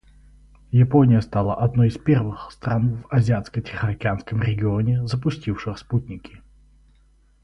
Япония стала одной из первых стран в Азиатско-Тихоокеанском регионе, запустивших спутники.